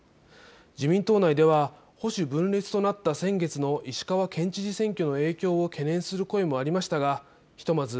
自民党内では保守分裂となった先月の石川県知事選挙の影響を懸念する声もありましたがひとまず